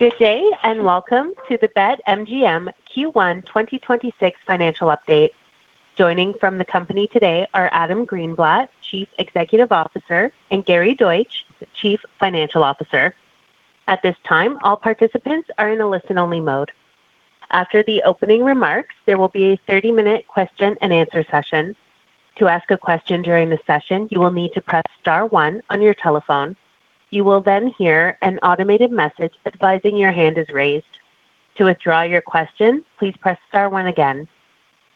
Good day, and welcome to the BetMGM Q1 2026 financial update. Joining from the company today are Adam Greenblatt, Chief Executive Officer, and Gary Deutsch, the Chief Financial Officer. At this time, all participants are in a listen-only mode. After the opening remarks, there will be a 30-minute question-and-answer session. To ask a question during the session, you will need to press star one on your telephone. You will then hear an automated message advising your hand is raised. To withdraw your question, please press star one again.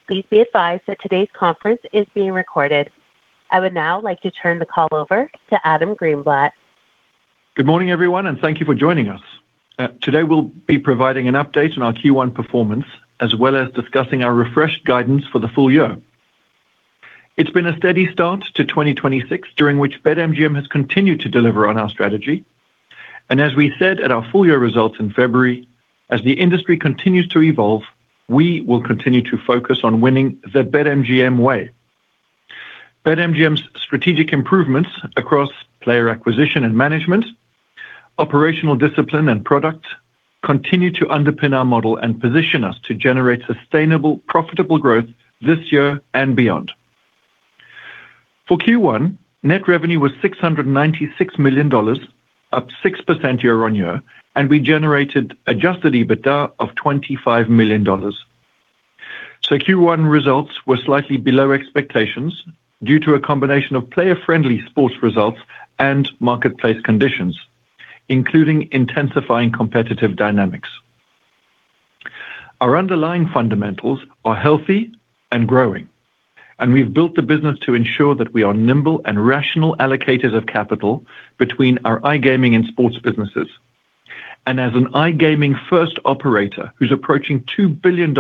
Please be advised that today's conference is being recorded. I would now like to turn the call over to Adam Greenblatt. Good morning, everyone, and thank you for joining us. Today we'll be providing an update on our Q1 performance, as well as discussing our refreshed guidance for the full year. It's been a steady start to 2026, during which BetMGM has continued to deliver on our strategy. As we said at our full-year results in February, as the industry continues to evolve, we will continue to focus on winning the BetMGM way. BetMGM's strategic improvements across player acquisition and management, operational discipline, and product, continue to underpin our model and position us to generate sustainable profitable growth this year and beyond. For Q1, net revenue was $696 million, up 6% year-on-year, and we generated adjusted EBITDA of $25 million. Q1 results were slightly below expectations due to a combination of player-friendly sports results and marketplace conditions, including intensifying competitive dynamics. Our underlying fundamentals are healthy and growing, and we've built the business to ensure that we are nimble and rational allocators of capital between our iGaming and sports businesses. As an iGaming-first operator who's approaching $2 billion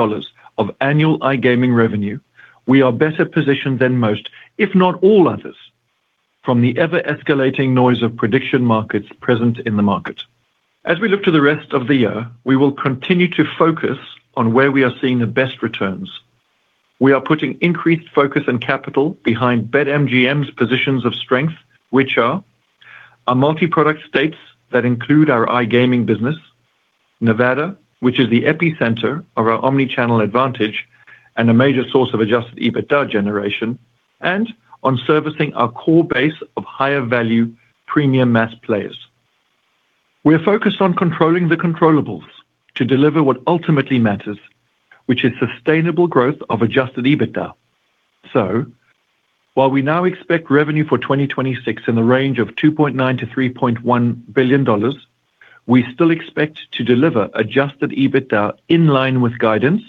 of annual iGaming revenue, we are better positioned than most, if not all others, from the ever-escalating noise of prediction markets present in the market. As we look to the rest of the year, we will continue to focus on where we are seeing the best returns. We are putting increased focus and capital behind BetMGM's positions of strength, which are our multi-product states that include our iGaming business, Nevada, which is the epicenter of our omni-channel advantage and a major source of adjusted EBITDA generation, and on servicing our core base of higher-value premium mass players. We are focused on controlling the controllables to deliver what ultimately matters, which is sustainable growth of adjusted EBITDA. While we now expect revenue for 2026 in the range of $2.9 billion-$3.1 billion, we still expect to deliver adjusted EBITDA in line with guidance,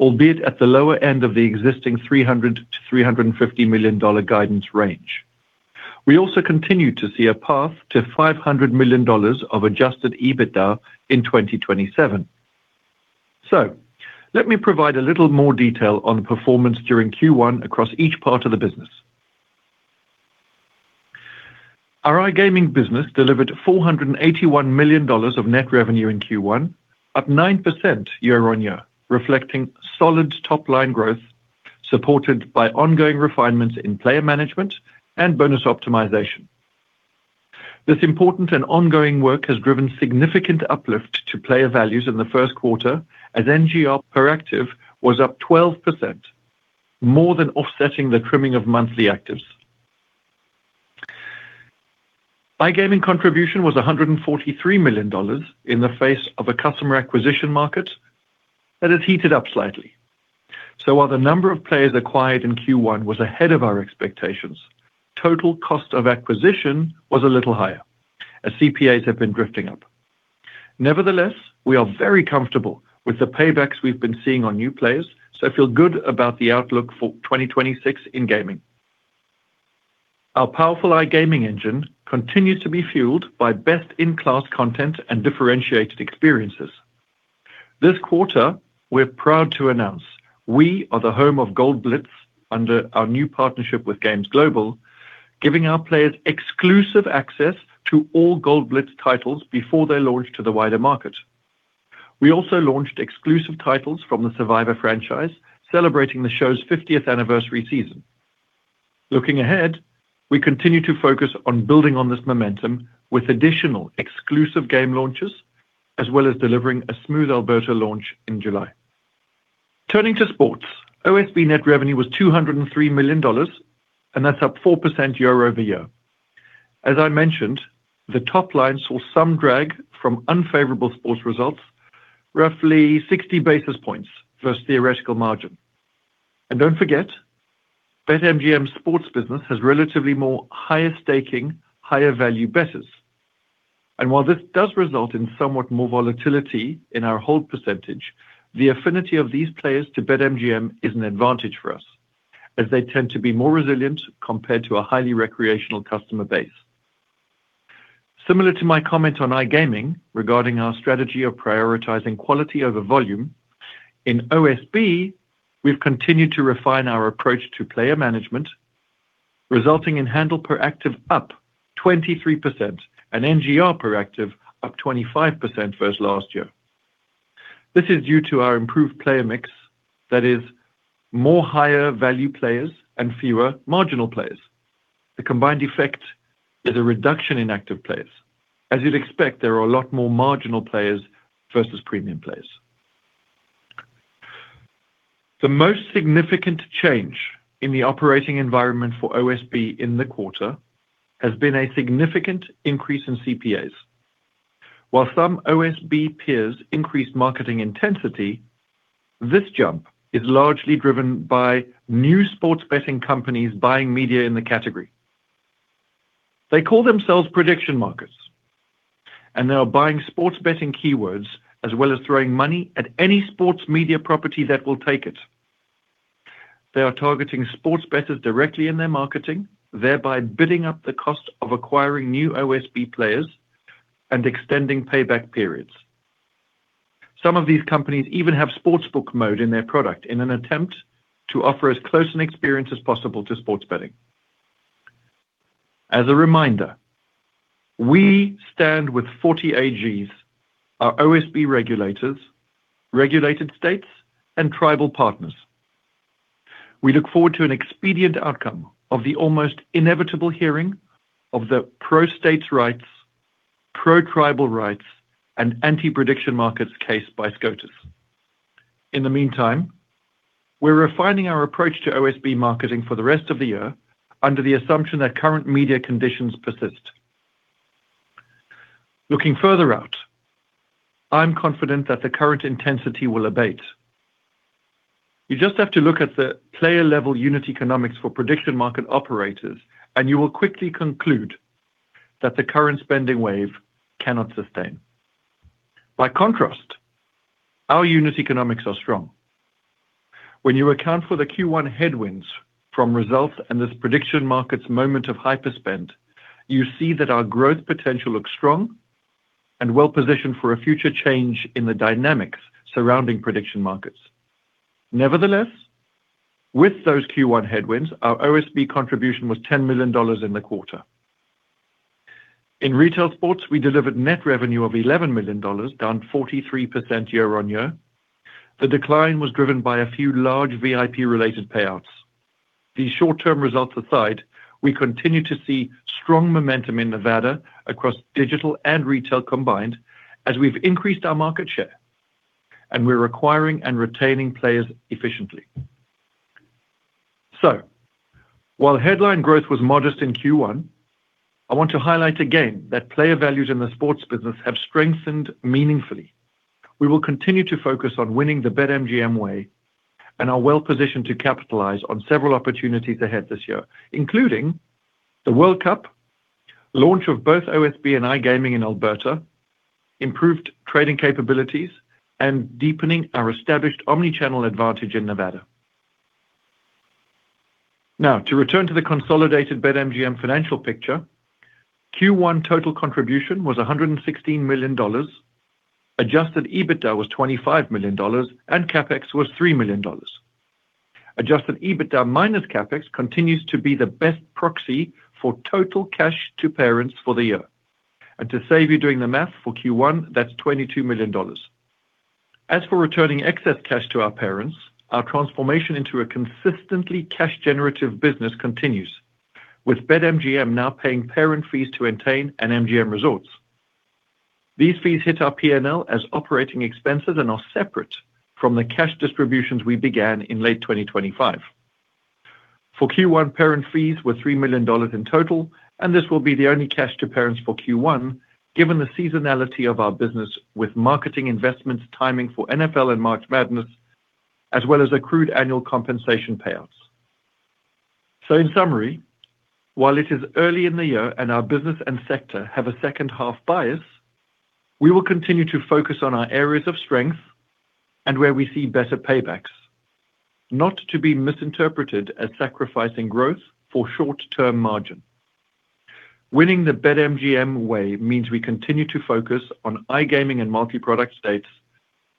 albeit at the lower end of the existing $300 million-$350 million guidance range. We also continue to see a path to $500 million of adjusted EBITDA in 2027. Let me provide a little more detail on performance during Q1 across each part of the business. Our iGaming business delivered $481 million of net revenue in Q1, up 9% year-on-year, reflecting solid top-line growth supported by ongoing refinements in player management and bonus optimization. This important and ongoing work has driven significant uplift to player values in the first quarter, as NGR per active was up 12%, more than offsetting the trimming of monthly actives. iGaming contribution was $143 million in the face of a customer acquisition market that has heated up slightly. While the number of players acquired in Q1 was ahead of our expectations, total cost of acquisition was a little higher as CPAs have been drifting up. Nevertheless, we are very comfortable with the paybacks we've been seeing on new players, so feel good about the outlook for 2026 in gaming. Our powerful iGaming engine continues to be fueled by best-in-class content and differentiated experiences. This quarter, we're proud to announce we are the home of Gold Blitz under our new partnership with Games Global, giving our players exclusive access to all Gold Blitz titles before they launch to the wider market. We also launched exclusive titles from the Survivor franchise, celebrating the show's 50th anniversary season. Looking ahead, we continue to focus on building on this momentum with additional exclusive game launches, as well as delivering a smooth Alberta launch in July. Turning to sports, OSB net revenue was $203 million, and that's up 4% year-over-year. As I mentioned, the top line saw some drag from unfavorable sports results, roughly 60 basis points versus theoretical margin. Don't forget, BetMGM Sports Business has relatively more higher staking, higher value bettors. While this does result in somewhat more volatility in our hold percentage, the affinity of these players to BetMGM is an advantage for us as they tend to be more resilient compared to a highly recreational customer base. Similar to my comment on iGaming regarding our strategy of prioritizing quality over volume, in OSB, we've continued to refine our approach to player management, resulting in handle per active up 23% and NGR per active up 25% versus last year. This is due to our improved player mix that is more higher-value players and fewer marginal players. The combined effect is a reduction in active players. As you'd expect, there are a lot more marginal players versus premium players. The most significant change in the operating environment for OSB in the quarter has been a significant increase in CPAs. While some OSB peers increased marketing intensity, this jump is largely driven by new sports betting companies buying media in the category. They call themselves prediction markets, and they are buying sports betting keywords as well as throwing money at any sports media property that will take it. They are targeting sports bettors directly in their marketing, thereby bidding up the cost of acquiring new OSB players and extending payback periods. Some of these companies even have sportsbook mode in their product in an attempt to offer as close an experience as possible to sports betting. As a reminder, we stand with 40 AGs, our OSB regulators, regulated states, and tribal partners. We look forward to an expedient outcome of the almost inevitable hearing of the pro-states' rights, pro-tribal rights, and anti-prediction markets case by SCOTUS. In the meantime, we're refining our approach to OSB marketing for the rest of the year under the assumption that current media conditions persist. Looking further out, I'm confident that the current intensity will abate. You just have to look at the player-level unit economics for prediction market operators, and you will quickly conclude that the current spending wave cannot sustain. By contrast, our unit economics are strong. When you account for the Q1 headwinds from results and this prediction market's moment of hyper spend, you see that our growth potential looks strong and well-positioned for a future change in the dynamics surrounding prediction markets. Nevertheless, with those Q1 headwinds, our OSB contribution was $10 million in the quarter. In retail sports, we delivered net revenue of $11 million, down 43% year-on-year. The decline was driven by a few large VIP-related payouts. These short-term results aside, we continue to see strong momentum in Nevada across digital and retail combined as we've increased our market share, and we're acquiring and retaining players efficiently. While headline growth was modest in Q1, I want to highlight again that player values in the sports business have strengthened meaningfully. We will continue to focus on winning the BetMGM way and are well-positioned to capitalize on several opportunities ahead this year, including the World Cup, launch of both OSB and iGaming in Alberta, improved trading capabilities, and deepening our established omni-channel advantage in Nevada. Now, to return to the consolidated BetMGM financial picture, Q1 total contribution was $116 million, adjusted EBITDA was $25 million, and CapEx was $3 million. Adjusted EBITDA minus CapEx continues to be the best proxy for total cash to parents for the year. To save you doing the math for Q1, that's $22 million. As for returning excess cash to our parents, our transformation into a consistently cash-generative business continues, with BetMGM now paying parent fees to Entain and MGM Resorts. These fees hit our P&L as operating expenses and are separate from the cash distributions we began in late 2025. For Q1, parent fees were $3 million in total, and this will be the only cash to parents for Q1, given the seasonality of our business with marketing investments timing for NFL and March Madness, as well as accrued annual compensation payouts. In summary, while it is early in the year and our business and sector have a second-half bias, we will continue to focus on our areas of strength and where we see better paybacks, not to be misinterpreted as sacrificing growth for short-term margin. Winning the BetMGM way means we continue to focus on iGaming and multi-product states,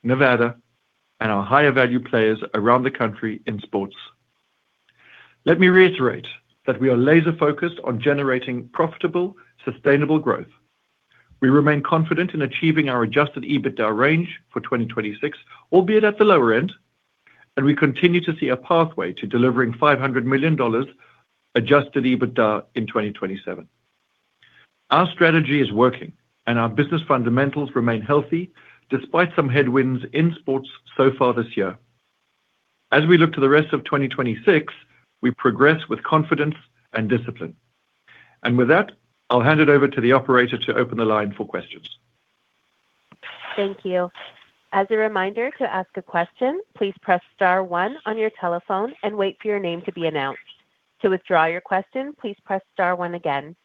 Nevada, and our higher-value players around the country in sports. Let me reiterate that we are laser-focused on generating profitable, sustainable growth. We remain confident in achieving our adjusted EBITDA range for 2026, albeit at the lower end, and we continue to see a pathway to delivering $500 million adjusted EBITDA in 2027. Our strategy is working, and our business fundamentals remain healthy despite some headwinds in sports so far this year. As we look to the rest of 2026, we progress with confidence and discipline. With that, I'll hand it over to the operator to open the line for questions. Thank you. As a reminder to ask a question, please press star one on your telephone and wait for your name to be announced. To withdraw your question, please press star one again.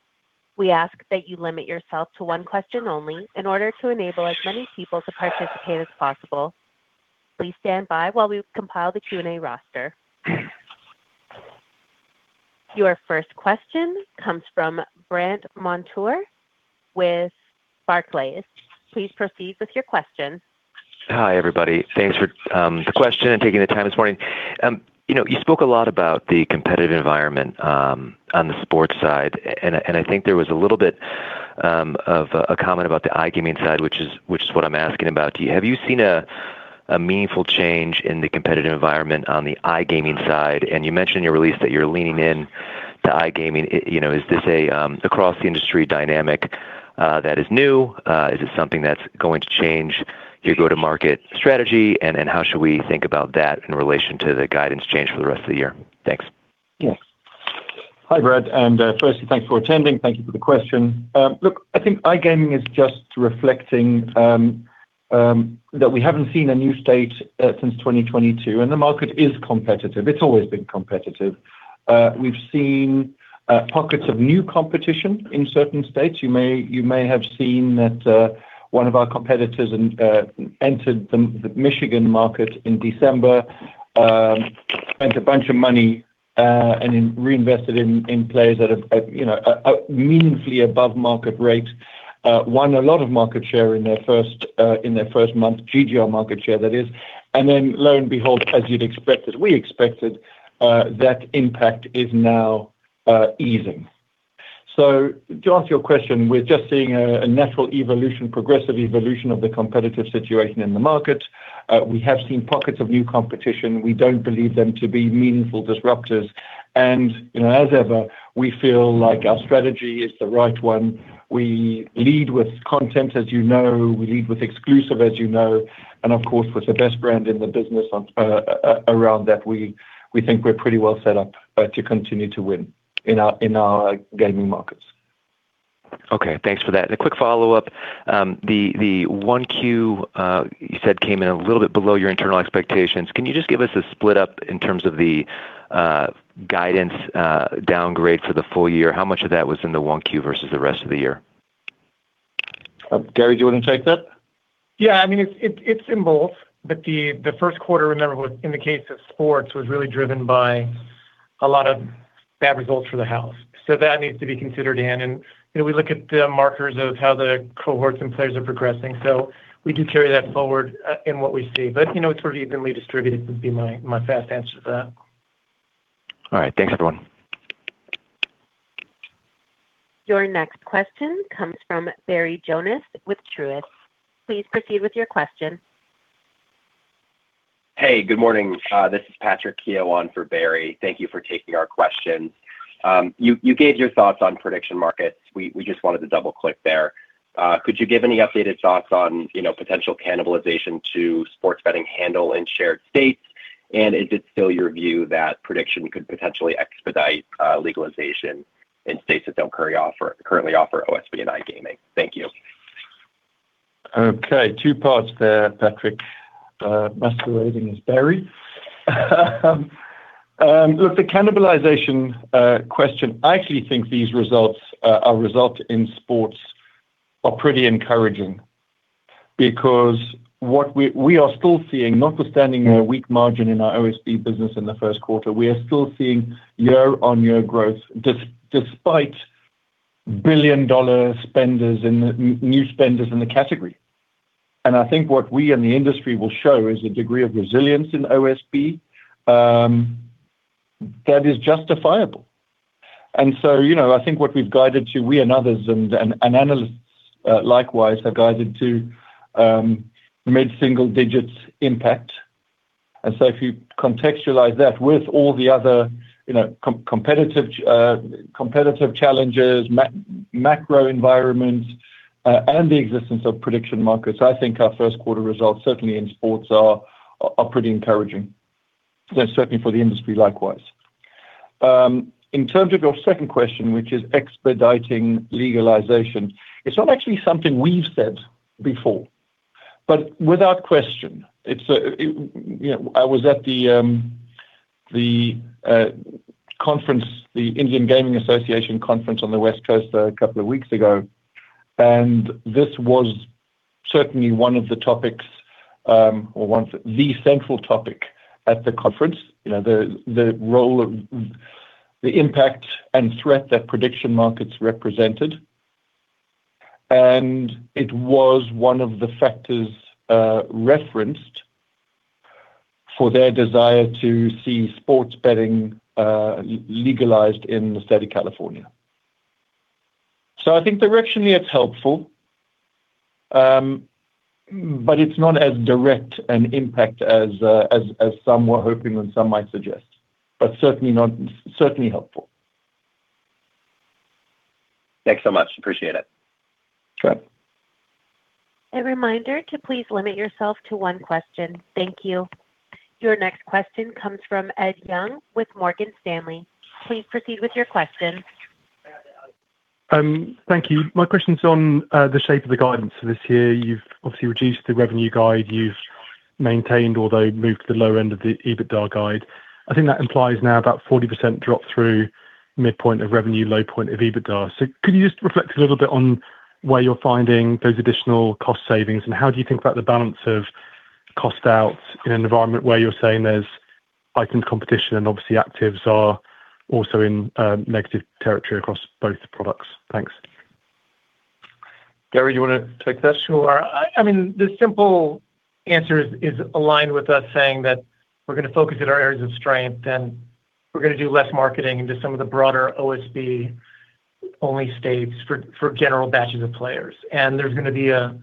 We ask that you limit yourself to one question only in order to enable as many people to participate as possible. Please stand by while we compile the Q&A roster. Your first question comes from Brandt Montour with Barclays. Please proceed with your question. Hi, everybody. Thanks for the question and taking the time this morning. You spoke a lot about the competitive environment on the sports side, and I think there was a little bit of a comment about the iGaming side, which is what I'm asking about to you, have you seen a meaningful change in the competitive environment on the iGaming side? You mentioned in your release that you're leaning into iGaming. Is this an across the industry dynamic that is new? Is it something that's going to change your go-to-market strategy? How should we think about that in relation to the guidance change for the rest of the year? Thanks. Yes. Hi, Brandt, and firstly thanks for attending. Thank you for the question. Look, I think iGaming is just reflecting that we haven't seen a new state since 2022, and the market is competitive. It's always been competitive. We've seen pockets of new competition in certain states. You may have seen that one of our competitors entered the Michigan market in December, spent a bunch of money, and then reinvested in players at a meaningfully above-market rate, won a lot of market share in their first month, GGR market share, that is, and then lo and behold, as we expected, that impact is now easing. To answer your question, we're just seeing a progressive evolution of the competitive situation in the market. We have seen pockets of new competition. We don't believe them to be meaningful disruptors, and as ever, we feel like our strategy is the right one. We lead with content, as you know. We lead with exclusive, as you know, and of course, with the best brand in the business around that. We think we're pretty well set up to continue to win in our gaming markets. Okay, thanks for that. A quick follow-up. The 1Q, you said came in a little bit below your internal expectations. Can you just give us a split up in terms of the guidance downgrade for the full year? How much of that was in the 1Q versus the rest of the year? Gary, do you want to take that? Yeah, it's in both, but the first quarter, remember, was, in the case of sports, really driven by a lot of bad results for the house. That needs to be considered in. We look at the markers of how the cohorts and players are progressing. We do carry that forward in what we see. It's sort of evenly distributed would be my fast answer to that. All right, thanks, everyone. Your next question comes from Barry Jonas with Truist. Please proceed with your question. Hey, good morning. This is Patrick Keough on for Barry. Thank you for taking our question. You gave your thoughts on prediction markets. We just wanted to double-click there. Could you give any updated thoughts on potential cannibalization to sports betting handle in shared states? Is it still your view that prediction could potentially expedite legalization in states that don't currently offer OSB and iGaming? Thank you. Okay. Two parts there, Patrick, masquerading as Barry. Look, the cannibalization question, I actually think these results, our result in sports are pretty encouraging because what we are still seeing, notwithstanding a weak margin in our OSB business in the first quarter, we are still seeing year-on-year growth despite billion-dollar spenders and new spenders in the category. I think what we and the industry will show is a degree of resilience in OSB that is justifiable. I think what we've guided to, we and others, and analysts likewise, have guided to mid-single-digits impact. If you contextualize that with all the other competitive challenges, macro environments, and the existence of prediction markets, I think our first quarter results, certainly in sports, are pretty encouraging. They're certainly for the industry likewise. In terms of your second question, which is expediting legalization. It's not actually something we've said before, but without question, I was at the conference, the Indian Gaming Association conference on the West Coast a couple of weeks ago, and this was certainly one of the topics, or the central topic at the conference, the role of the impact and threat that prediction markets represented. It was one of the factors referenced for their desire to see sports betting legalized in the state of California. I think directionally it's helpful, but it's not as direct an impact as some were hoping and some might suggest, certainly helpful. Thanks so much. I appreciate it. Sure. A reminder to please limit yourself to one question. Thank you. Your next question comes from Ed Young with Morgan Stanley. Please proceed with your question. Thank you. My question's on the shape of the guidance for this year. You've obviously reduced the revenue guide you've maintained, although moved to the lower end of the EBITDA guide. I think that implies now about 40% drop through midpoint of revenue, low point of EBITDA. Could you just reflect a little bit on where you're finding those additional cost savings and how do you think about the balance of cost out in an environment where you're saying there's heightened competition and obviously actives are also in negative territory across both products? Thanks. Gary, do you want to take this? Sure. I mean, the simple answer is aligned with us saying that we're going to focus at our areas of strength, and we're going to do less marketing into some of the broader OSB-only states for general batches of players. There's going to be a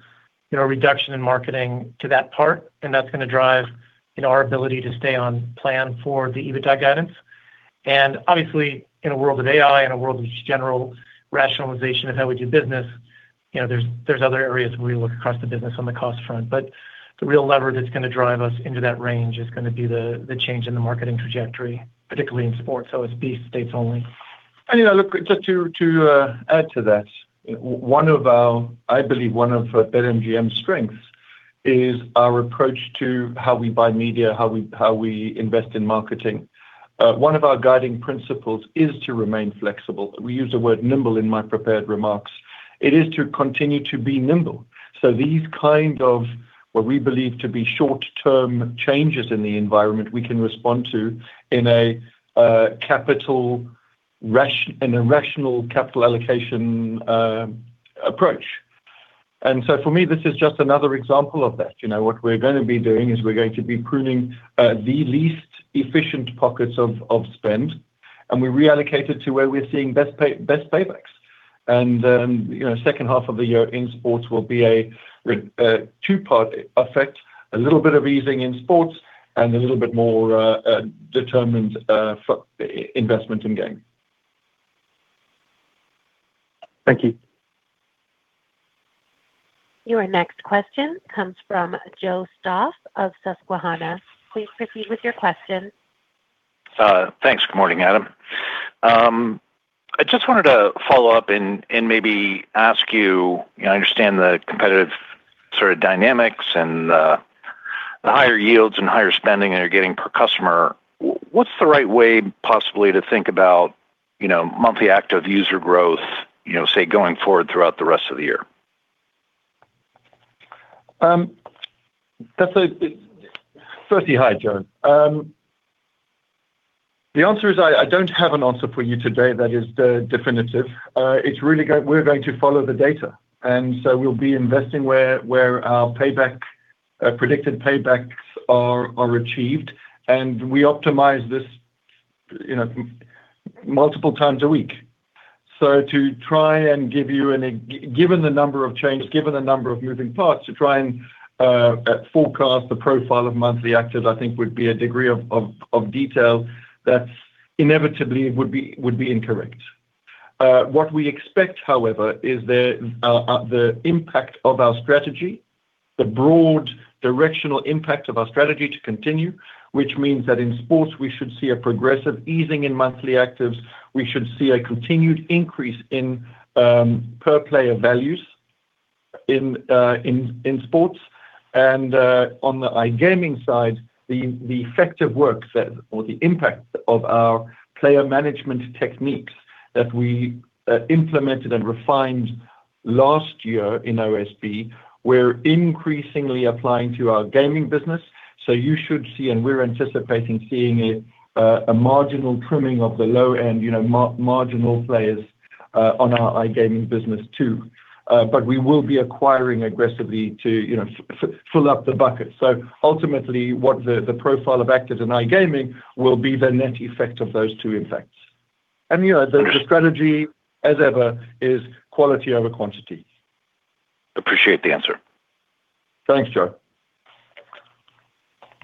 reduction in marketing to that part, and that's going to drive our ability to stay on plan for the EBITDA guidance. Obviously, in a world of AI and a world of just general rationalization of how we do business, there's other areas where we look across the business on the cost front. The real leverage that's going to drive us into that range is going to be the change in the marketing trajectory, particularly in sports, OSB states only. Look, just to add to that. I believe one of BetMGM's strengths is our approach to how we buy media, how we invest in marketing. One of our guiding principles is to remain flexible. We use the word nimble in my prepared remarks. It is to continue to be nimble. These kind of what we believe to be short-term changes in the environment, we can respond to in a rational capital allocation approach. For me, this is just another example of that. What we're going to be doing is we're going to be pruning the least efficient pockets of spend, and we reallocate it to where we're seeing best paybacks. Second half of the year in sports will be a two-part effect, a little bit of easing in sports and a little bit more determined investment in gaming. Thank you. Your next question comes from Joe Stauff of Susquehanna. Please proceed with your question. Thanks. Good morning, Adam. I just wanted to follow up and maybe ask you. I understand the competitive sort of dynamics and the higher yields and higher spending that you're getting per customer. What's the right way possibly to think about monthly active user growth, say, going forward throughout the rest of the year? Firstly, hi, Joe. The answer is I don't have an answer for you today that is definitive. We're going to follow the data, and so we'll be investing where our predicted paybacks are achieved, and we optimize this multiple times a week. Given the number of moving parts, to try and forecast the profile of monthly actives, I think, would be a degree of detail that inevitably would be incorrect. What we expect, however, is the broad directional impact of our strategy to continue, which means that in sports, we should see a progressive easing in monthly actives. We should see a continued increase in per-player values in sports. On the iGaming side, the impact of our player management techniques that we implemented and refined last year in OSB, we're increasingly applying to our gaming business. You should see, and we're anticipating seeing it, a marginal trimming of the low-end, marginal players on our iGaming business too. We will be acquiring aggressively to fill up the bucket. Ultimately, the profile of actives in iGaming will be the net effect of those two effects. The strategy, as ever, is quality over quantity. Appreciate the answer. Thanks, Joe.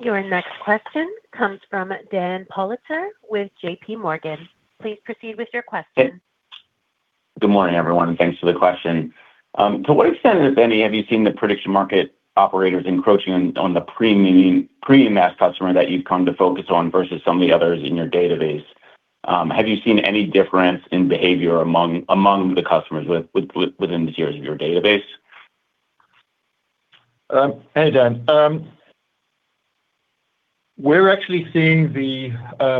Your next question comes from Daniel Politzer with JPMorgan. Please proceed with your question. Good morning, everyone. Thanks for the question. To what extent, if any, have you seen the prediction market operators encroaching on the premium mass customer that you've come to focus on versus some of the others in your database? Have you seen any difference in behavior among the customers within the tiers of your database? Hey, Dan. We're actually seeing the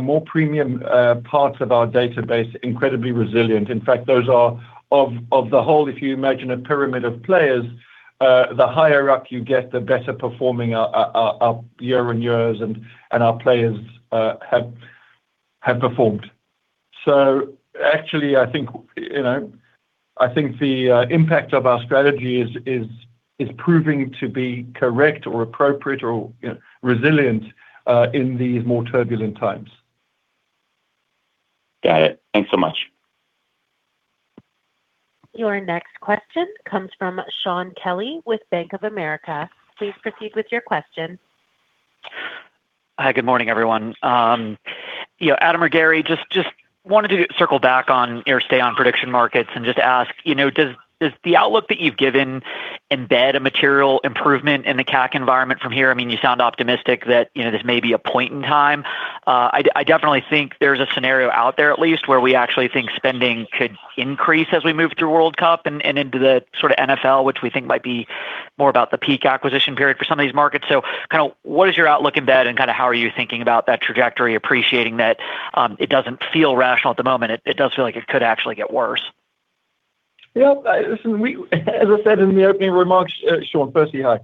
more premium parts of our database incredibly resilient. In fact, those are of the whole, if you imagine a pyramid of players, the higher up you get, the better performing our year-on-year and our players have performed. Actually, I think the impact of our strategy is proving to be correct or appropriate or resilient in these more turbulent times. Got it. Thanks so much. Your next question comes from Shaun Kelley with Bank of America. Please proceed with your question. Hi, good morning, everyone. Adam or Gary, just wanted to circle back on or stay on prediction markets and just ask, does the outlook that you've given embed a material improvement in the CAC environment from here? I mean, you sound optimistic that this may be a point in time. I definitely think there's a scenario out there at least where we actually think spending could increase as we move through World Cup and into the sort of NFL, which we think might be more about the peak acquisition period for some of these markets. Kind of what is your outlook embed and kind of how are you thinking about that trajectory, appreciating that it doesn't feel rational at the moment? It does feel like it could actually get worse. Yeah. Listen, as I said in the opening remarks, Shaun, firstly, hi.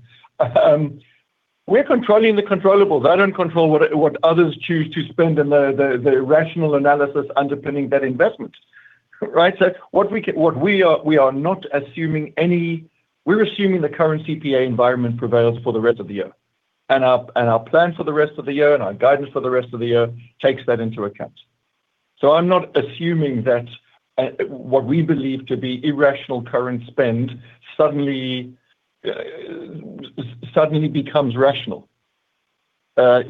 We're controlling the controllables. I don't control what others choose to spend and the rational analysis underpinning that investment, right? We're assuming the current CPA environment prevails for the rest of the year. Our plan for the rest of the year and our guidance for the rest of the year takes that into account. I'm not assuming that what we believe to be irrational current spend suddenly becomes rational. I'm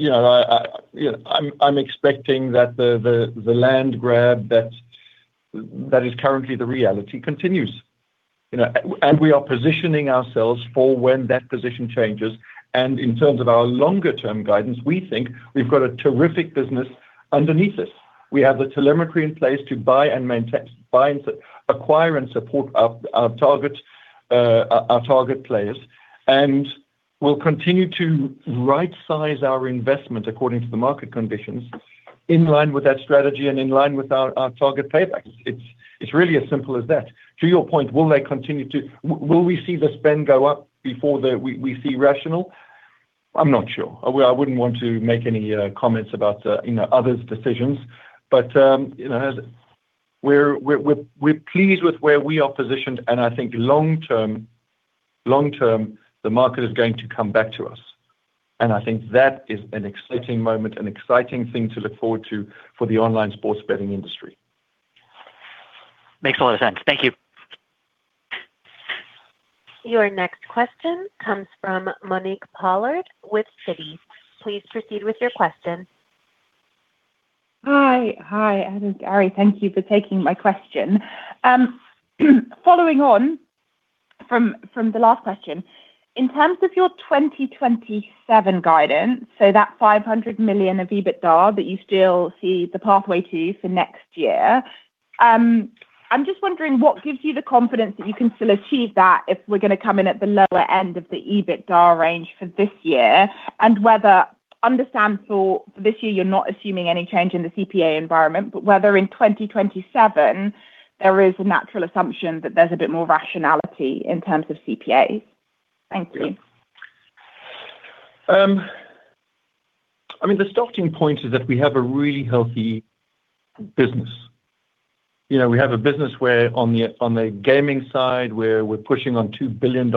expecting that the land grab that is currently the reality continues. We are positioning ourselves for when that position changes. In terms of our longer-term guidance, we think we've got a terrific business underneath us. We have the telemetry in place to buy and acquire and support our target players. We'll continue to right-size our investment according to the market conditions, in line with that strategy and in line with our target payback. It's really as simple as that. To your point, will we see the spend go up before we see rational? I'm not sure. I wouldn't want to make any comments about others' decisions. We're pleased with where we are positioned, and I think long-term, the market is going to come back to us. I think that is an exciting moment and exciting thing to look forward to for the online sports betting industry. Makes a lot of sense. Thank you. Your next question comes from Monique Pollard with Citi. Please proceed with your question. Hi, Adam, Gary, thank you for taking my question. Following on from the last question, in terms of your 2027 guidance, so that $500 million of EBITDA that you still see the pathway to for next year, I'm just wondering what gives you the confidence that you can still achieve that if we're going to come in at the lower end of the EBITDA range for this year? Whether, understand for this year, you're not assuming any change in the CPA environment, but whether in 2027 there is a natural assumption that there's a bit more rationality in terms of CPA? Thank you. I mean, the starting point is that we have a really healthy business. We have a business where, on the gaming side, we're pushing on $2 billion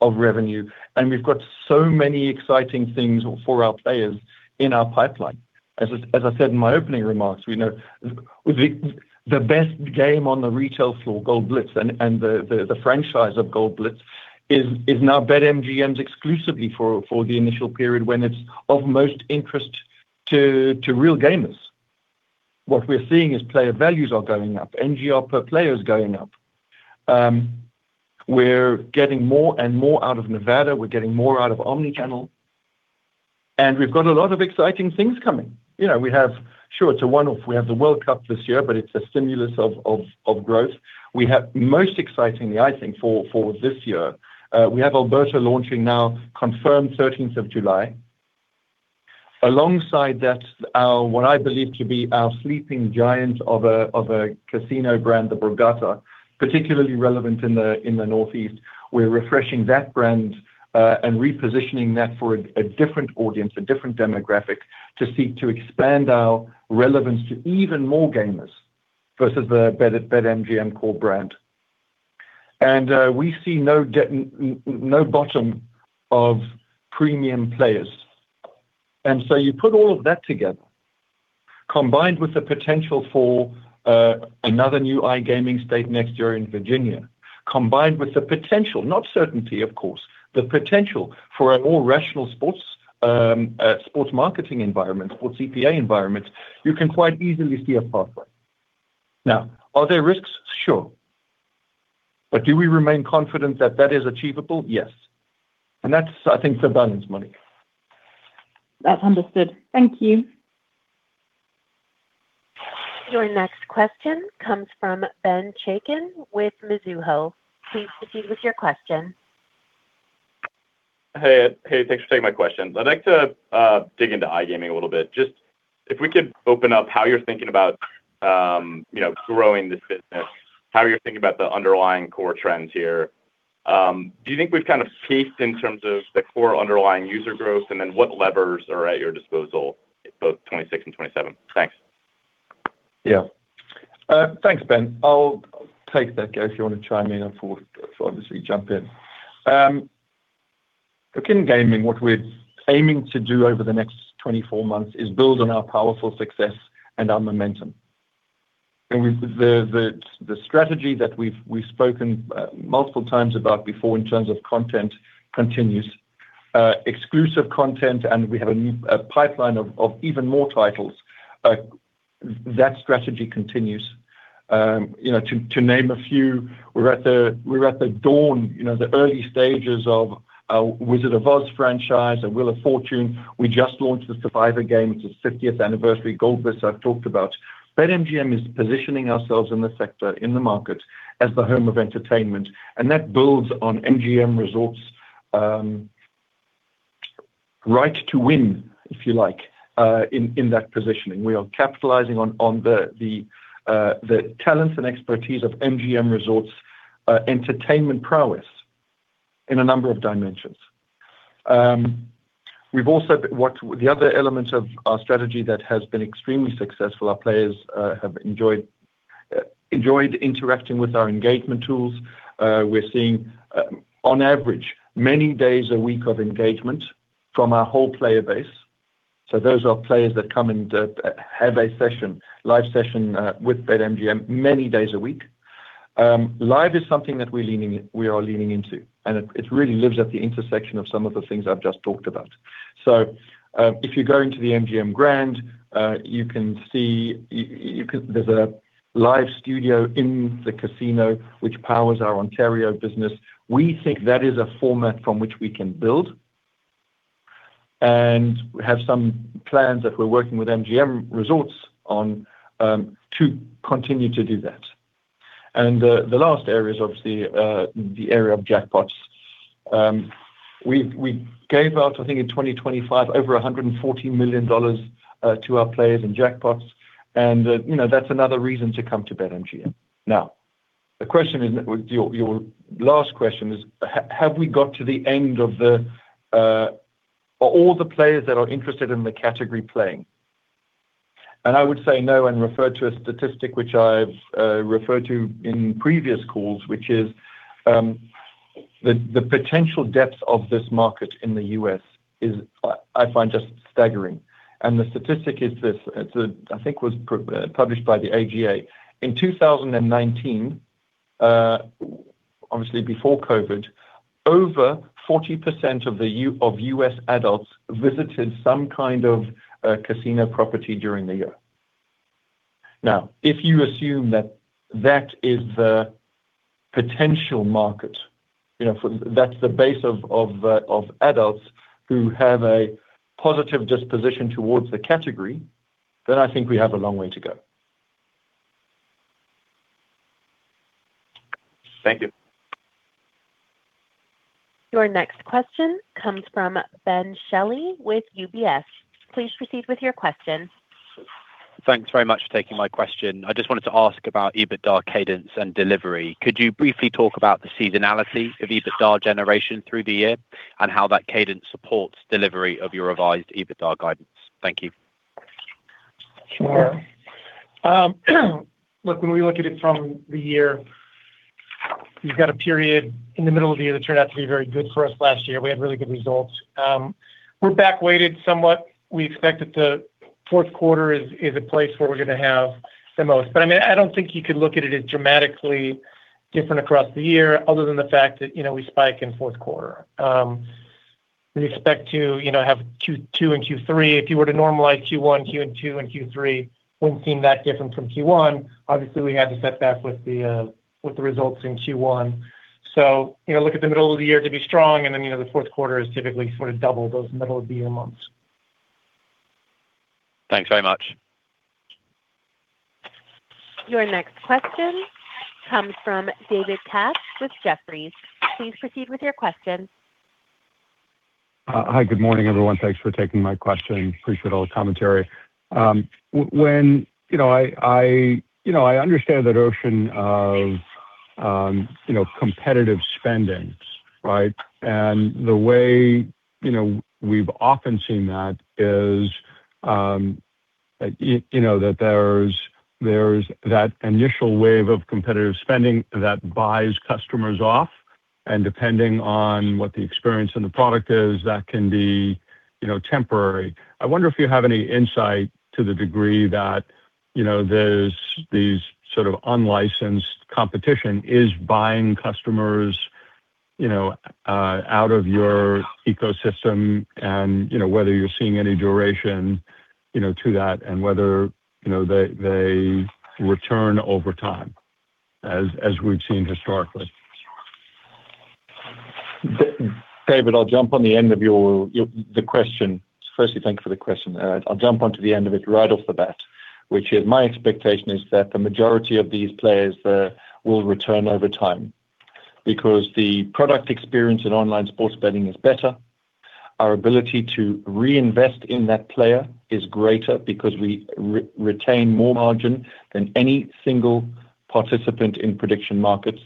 of revenue, and we've got so many exciting things for our players in our pipeline. As I said in my opening remarks, the best game on the retail floor, Gold Blitz, and the franchise of Gold Blitz is now BetMGM's exclusively for the initial period when it's of most interest to real gamers. What we're seeing is player values are going up, NGR per player is going up. We're getting more and more out of Nevada, we're getting more out of omni-channel. We've got a lot of exciting things coming. Sure, it's a one-off, we have the World Cup this year, but it's a stimulus of growth. Most excitingly, I think, for this year, we have Alberta launching now, confirmed 13th of July. Alongside that, what I believe to be our sleeping giant of a casino brand, the Borgata, particularly relevant in the Northeast. We're refreshing that brand and repositioning that for a different audience, a different demographic to seek to expand our relevance to even more gamers versus the BetMGM core brand. We see no bottom of premium players. You put all of that together, combined with the potential for another new iGaming state next year in Virginia, combined with the potential, not certainty, of course, the potential for a more rational sports marketing environment or CPA environment, you can quite easily see a pathway. Now, are there risks? Sure. Do we remain confident that that is achievable? Yes. That's, I think, the balance, Monique. That's understood. Thank you. Your next question comes from Ben Chaiken with Mizuho. Please proceed with your question. Hey, thanks for taking my question. I'd like to dig into iGaming a little bit. Just if we could open up how you're thinking about growing this business, how you're thinking about the underlying core trends here. Do you think we've kind of peaked in terms of the core underlying user growth, and then what levers are at your disposal, both 2026 and 2027? Thanks. Yeah. Thanks, Ben. I'll take that, Gary, if you want to chime in, obviously jump in. Look, in gaming, what we're aiming to do over the next 24 months is build on our powerful success and our momentum. The strategy that we've spoken multiple times about before in terms of content continues. Exclusive content, and we have a new pipeline of even more titles. That strategy continues. To name a few, we're at the dawn, the early stages of our Wizard of Oz franchise and Wheel of Fortune. We just launched the Survivor game. It's the 50th anniversary. Gold Blitz, I've talked about. BetMGM is positioning ourselves in the sector, in the market as the home of entertainment, and that builds on MGM Resorts' right to win, if you like, in that positioning. We are capitalizing on the talents and expertise of MGM Resorts, our entertainment prowess in a number of dimensions. The other element of our strategy that has been extremely successful, our players have enjoyed interacting with our engagement tools. We're seeing, on average, many days a week of engagement from our whole player base. Those are players that come and have a live session with BetMGM many days a week. Live is something that we are leaning into, and it really lives at the intersection of some of the things I've just talked about. If you go into the MGM Grand, you can see there's a live studio in the casino, which powers our Ontario business. We think that is a format from which we can build, and we have some plans that we're working with MGM Resorts on to continue to do that. The last area is, obviously, the area of jackpots. We gave out, I think, in 2025, over $140 million to our players in jackpots, and that's another reason to come to BetMGM. Now, your last question is, have we got to the end of all the players that are interested in the category playing? I would say no, and refer to a statistic which I've referred to in previous calls, which is, the potential depth of this market in the U.S. is, I find, just staggering. The statistic is this, I think it was published by the AGA. In 2019, obviously before COVID, over 40% of U.S. adults visited some kind of casino property during the year. Now, if you assume that is the potential market, that's the base of adults who have a positive disposition towards the category, then I think we have a long way to go. Thank you. Your next question comes from Ben Shelley with UBS. Please proceed with your question. Thanks very much for taking my question. I just wanted to ask about EBITDA cadence and delivery. Could you briefly talk about the seasonality of EBITDA generation through the year and how that cadence supports delivery of your revised EBITDA guidance? Thank you. Sure. Look, when we look at it from the year, you've got a period in the middle of the year that turned out to be very good for us last year. We had really good results. We're back-weighted somewhat. We expect that the fourth quarter is a place where we're going to have the most. I don't think you could look at it as dramatically different across the year other than the fact that we spike in fourth quarter. We expect to have Q2 and Q3. If you were to normalize Q1, Q2 and Q3 wouldn't seem that different from Q1. Obviously, we had the setback with the results in Q1. Look at the middle of the year to be strong, and then, the fourth quarter is typically sort of double those middle-of-the-year months. Thanks very much. Your next question comes from David Katz with Jefferies. Please proceed with your question. Hi. Good morning, everyone. Thanks for taking my question. I appreciate all the commentary. I understand that ocean of competitive spendings. The way we've often seen that is that there's that initial wave of competitive spending that buys customers off, and depending on what the experience and the product is, that can be temporary. I wonder if you have any insight to the degree that these sort of unlicensed competition is buying customers out of your ecosystem and whether you're seeing any duration to that and whether they return over time as we've seen historically. David, I'll jump on the end of the question. Firstly, thank you for the question. I'll jump onto the end of it right off the bat, which is my expectation is that the majority of these players will return over time because the product experience in online sports betting is better. Our ability to reinvest in that player is greater because we retain more margin than any single participant in prediction markets.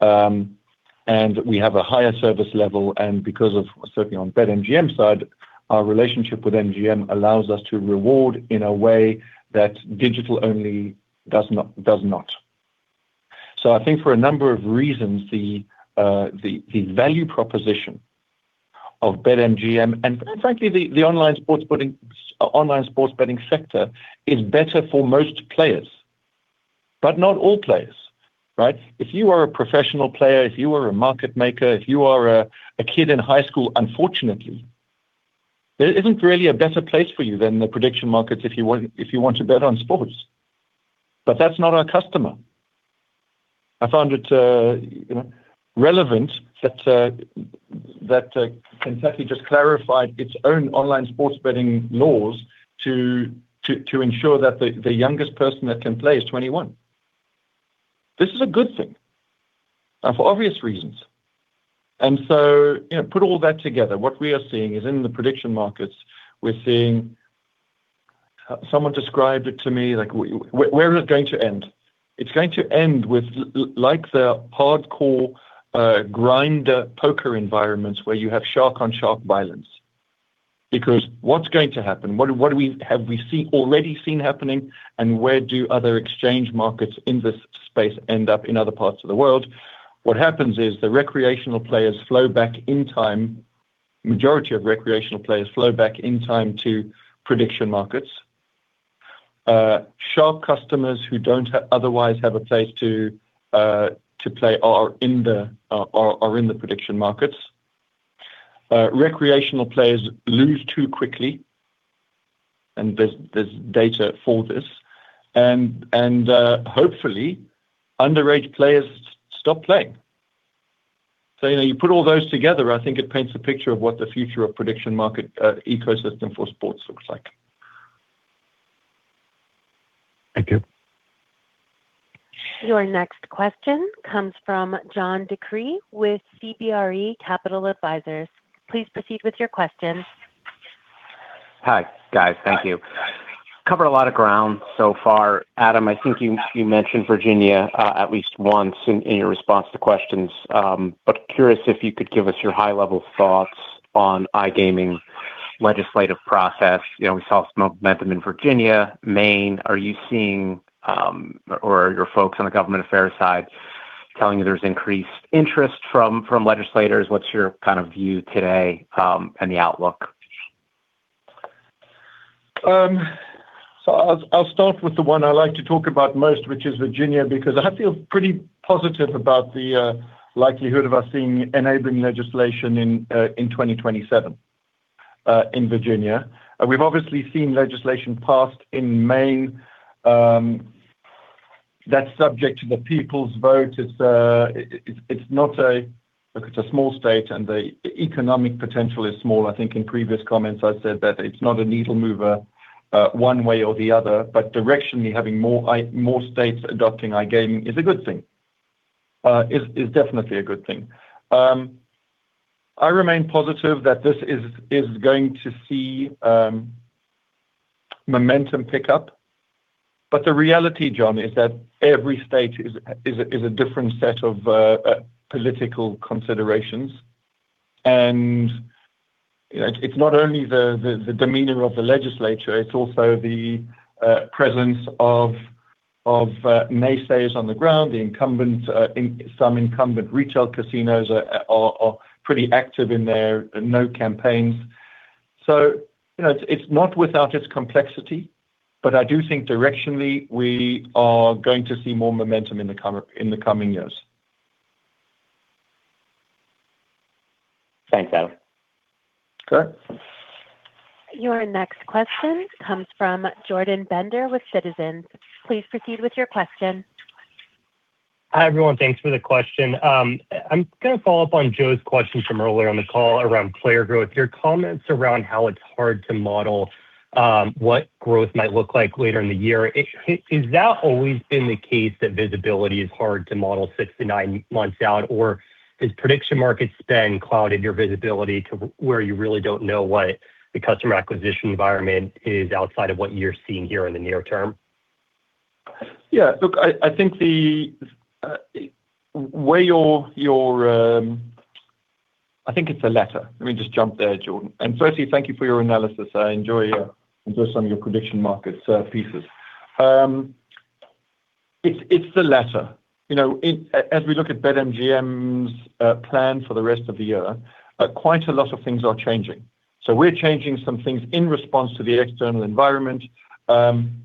We have a higher service level, and because of, certainly on BetMGM's side, our relationship with MGM allows us to reward in a way that digital-only does not. I think for a number of reasons, the value proposition of BetMGM, and quite frankly, the online sports betting sector, is better for most players, but not all players. If you are a professional player, if you are a market maker, if you are a kid in high school, unfortunately, there isn't really a better place for you than the prediction markets if you want to bet on sports. That's not our customer. I found it relevant that Kentucky just clarified its own online sports betting laws to ensure that the youngest person that can play is 21. This is a good thing for obvious reasons. Put all that together. What we are seeing is in the prediction markets, someone described it to me like, where is it going to end? It's going to end with the hardcore grinder poker environments where you have shark on shark violence. Because what's going to happen? What have we already seen happening, and where do other exchange markets in this space end up in other parts of the world? What happens is the recreational players flow back in time, majority of recreational players flow back in time to prediction markets. Shark customers who don't otherwise have a place to play are in the prediction markets. Recreational players lose too quickly, and there's data for this. Hopefully, underage players stop playing. You put all those together, I think it paints a picture of what the future of prediction market ecosystem for sports looks like. Thank you. Your next question comes from John DeCree with CBRE Capital Advisors. Please proceed with your question. Hi, guys. Thank you. We've covered a lot of ground so far. Adam, I think you mentioned Virginia at least once in your response to questions. I'm curious if you could give us your high-level thoughts on iGaming legislative process. We saw some momentum in Virginia, Maine. Are you seeing, or are your folks on the government affairs side telling you there's increased interest from legislators? What's your view today, and the outlook? I'll start with the one I like to talk about most, which is Virginia, because I feel pretty positive about the likelihood of us seeing enabling legislation in 2027 in Virginia. We've obviously seen legislation passed in Maine, that's subject to the people's vote. Look, it's a small state and the economic potential is small. I think in previous comments I said that it's not a needle mover one way or the other, but directionally, having more states adopting iGaming is definitely a good thing. I remain positive that this is going to see momentum pick up. The reality, John, is that every state is a different set of political considerations. It's not only the demeanor of the legislature, it's also the presence of naysayers on the ground. Some incumbent retail casinos are pretty active in their no campaigns. It's not without its complexity, but I do think directionally, we are going to see more momentum in the coming years. Thanks, Adam. Sure. Your next question comes from Jordan Bender with Citizens. Please proceed with your question. Hi, everyone. Thanks for the question. I'm going to follow up on Joe's question from earlier on the call around player growth, your comments around how it's hard to model what growth might look like later in the year. Has that always been the case that visibility is hard to model six to nine months out, or has promotional spend clouded your visibility to where you really don't know what the customer acquisition environment is outside of what you're seeing here in the near term? Yeah, look, I think it's the latter. Let me just jump there, Jordan. Firstly, thank you for your analysis. I enjoy some of your prediction markets pieces. It's the latter. As we look at BetMGM's plan for the rest of the year, quite a lot of things are changing. We're changing some things in response to the external environment, and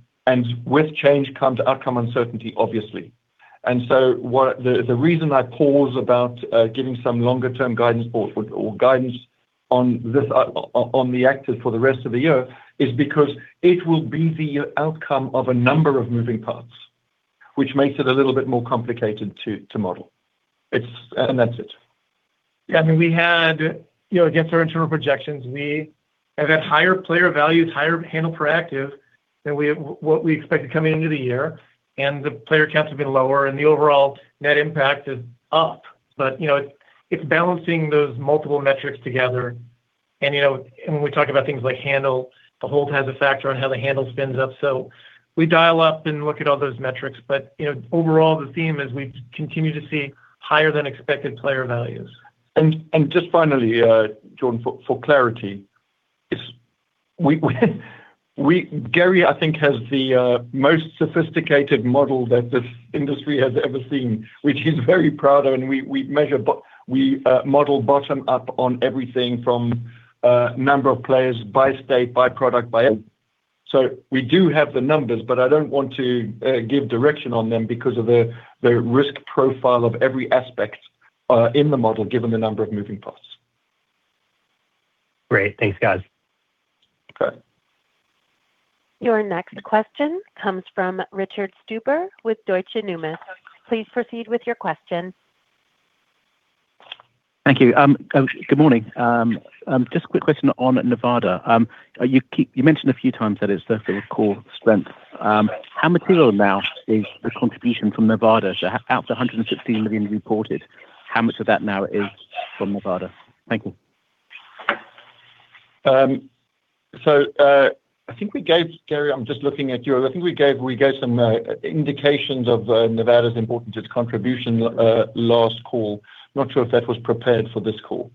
with change comes outcome uncertainty, obviously. The reason I pause about giving some longer-term guidance forward or guidance on the outlook for the rest of the year is because it will be the outcome of a number of moving parts, which makes it a little bit more complicated to model. That's it. Yeah, against our internal projections, we have had higher player values, higher handle per active than what we expected coming into the year, and the player counts have been lower and the overall net impact is up. It's balancing those multiple metrics together, and when we talk about things like handle, the hold has a factor on how the handle spins up. We dial up and look at all those metrics. Overall, the theme is we continue to see higher than expected player values. Just finally, Jordan, for clarity, Gary, I think, has the most sophisticated model that this industry has ever seen, which he's very proud of, and we model bottom-up on everything from number of players by state, by product, by it. We do have the numbers, but I don't want to give direction on them because of the risk profile of every aspect in the model, given the number of moving parts. Great. Thanks, guys. Okay. Your next question comes from Richard Stuber with Deutsche Numis. Please proceed with your question. Thank you. Good morning. Just a quick question on Nevada. You mentioned a few times that it's the core strength. How material now is the contribution from Nevada out of the $116 million reported? How much of that now is from Nevada? Thank you. Gary, I'm just looking at you. I think we gave some indications of Nevada's importance, its contribution last call. I am not sure if that was prepared for this call.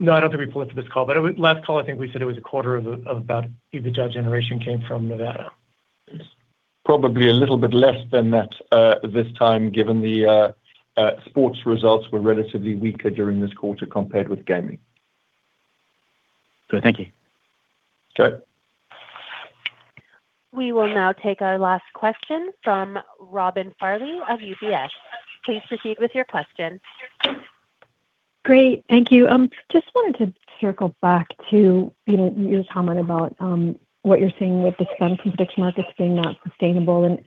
No, I don't think we pulled it for this call. Last call, I think we said it was a quarter of about EBITDA generation came from Nevada. Probably a little bit less than that this time, given the sports results were relatively weaker during this quarter compared with gaming. Thank you. Sure. We will now take our last question from Robin Farley of UBS. Please proceed with your question. Great. Thank you. Just wanted to circle back to your comment about what you're seeing with the spend from prediction markets being not sustainable.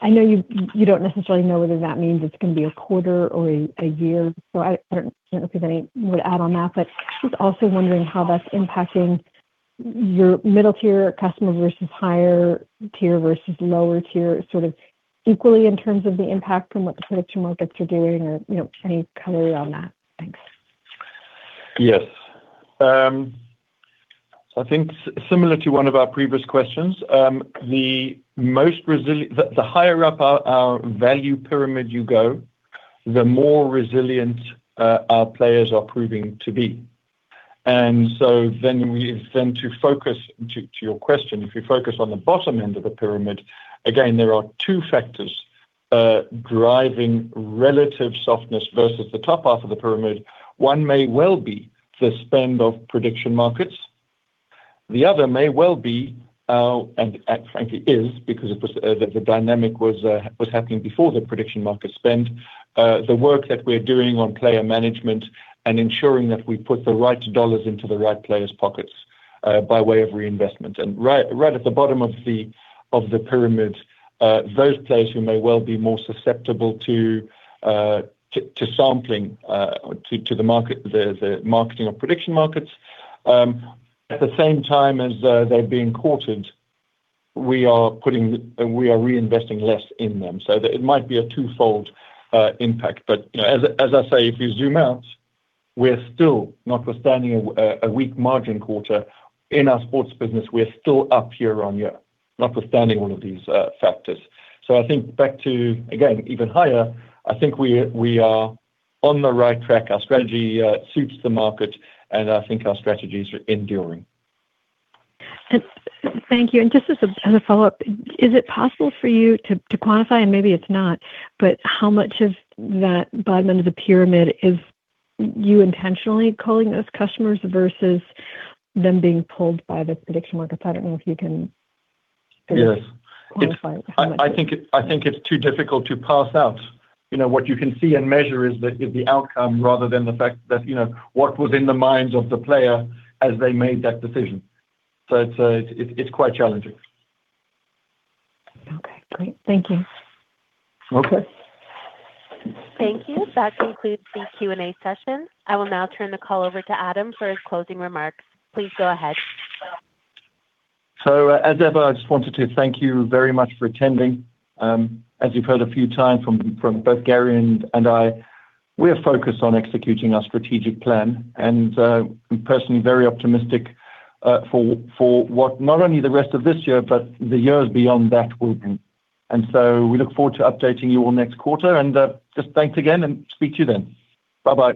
I know you don't necessarily know whether that means it's going to be a quarter or a year. I don't know if you would add on that. Just also wondering how that's impacting your middle-tier customers versus higher-tier versus lower-tier, sort of equally in terms of the impact from what the prediction markets are doing or any color around that. Thanks. Yes. So I think similar to one of our previous questions, the higher up our value pyramid you go, the more resilient our players are proving to be. And so then to focus to your question, if you focus on the bottom end of the pyramid, again, there are two factors driving relative softness versus the top half of the pyramid. One may well be the spend of prediction markets, the other may well be, and frankly is because the dynamic was happening before the prediction market spend, the work that we're doing on player management and ensuring that we put the right dollars into the right players' pockets by way of reinvestment. And right at the bottom of the pyramid, those players who may well be more susceptible to sampling, to the marketing of prediction markets. At the same time as they're being courted, we are reinvesting less in them, so that it might be a twofold impact. As I say, if you zoom out, notwithstanding a weak margin quarter in our sports business, we're still up year-on-year, notwithstanding all of these factors. I think back to, again, even higher, I think we are on the right track. Our strategy suits the market, and I think our strategies are enduring. Thank you. Just as a follow-up, is it possible for you to quantify and maybe it's not, but how much of that bottom end of the pyramid is you intentionally culling those customers versus them being pulled by the prediction markets? I don't know if you can. Yes. Qualify how much. I think it's too difficult to parse out. What you can see and measure is the outcome rather than the fact that what was in the minds of the player as they made that decision. It's quite challenging. Okay, great. Thank you. Okay. Thank you. That concludes the Q&A session. I will now turn the call over to Adam for his closing remarks. Please go ahead. As ever, I just wanted to thank you very much for attending. As you've heard a few times from both Gary and I, we are focused on executing our strategic plan, and I'm personally very optimistic for what, not only the rest of this year, but the years beyond that will bring. We look forward to updating you all next quarter. Just thanks again, and speak to you then. Bye-bye.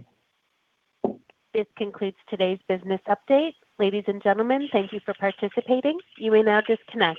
This concludes today's business update. Ladies and gentlemen, thank you for participating. You may now disconnect.